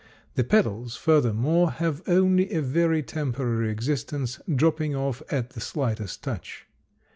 The petals furthermore have only a very temporary existence, dropping off at the slightest touch.